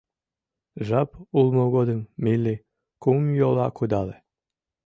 Жап улмо годым Милли кумйола кудале.